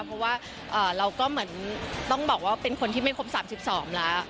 เพราะว่าเราก็เหมือนต้องบอกว่าเป็นคนที่ไม่ครบ๓๒แล้ว